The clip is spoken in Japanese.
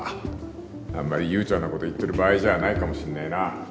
あんまり悠長なこと言ってる場合じゃないかもしんねえな